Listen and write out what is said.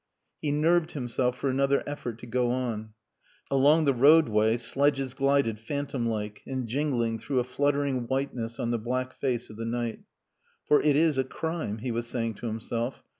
He nerved himself for another effort to go on. Along the roadway sledges glided phantom like and jingling through a fluttering whiteness on the black face of the night. "For it is a crime," he was saying to himself.